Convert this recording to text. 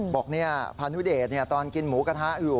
พานุเดชตอนกินหมูกระทะอยู่